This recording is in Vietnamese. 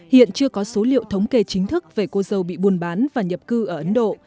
hiện chưa có số liệu thống kê chính thức về cô dâu bị buôn bán và nhập cư ở ấn độ